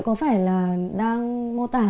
có phải là đang mô tả